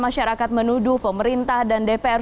masyarakat menuduh pemerintah dan dpr